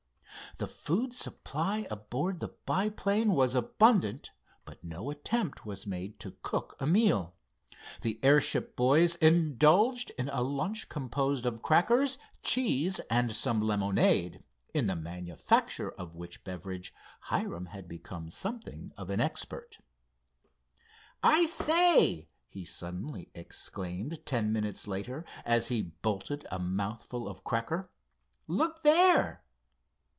The food supply aboard the biplane was abundant, but no attempt was made to cook a meal. The airship boys indulged in a lunch composed of crackers, cheese and some lemonade, in the manufacture of which beverage Hiram had become something of an expert. "I say," he suddenly exclaimed, ten minutes later, as he bolted a mouthful of cracker—"look there!"